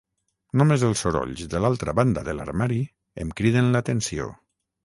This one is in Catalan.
Només els sorolls de l'altra banda de l'armari em criden l'atenció.